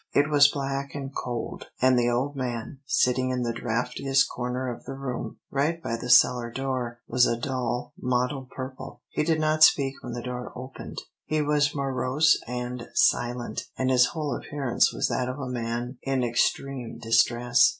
It was black and cold, and the old man, sitting in the draughtiest corner of the room, right by the cellar door, was a dull, mottled purple. He did not speak when the door opened. He was morose and silent, and his whole appearance was that of a man in extreme distress.